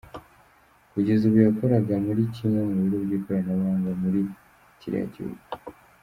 Kugeza ubu yakoraga muri kimwe mu bigo by’ikoranabuhanga muri kiriya gihugu.